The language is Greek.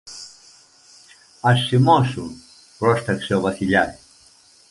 Ας σιμώσουν, πρόσταξε ο Βασιλιάς.